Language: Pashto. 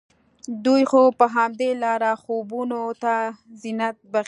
دوی خو په همدې لاره خوبونو ته زينت بښي